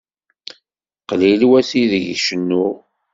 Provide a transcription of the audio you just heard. Qlil wass ideg cennuɣ.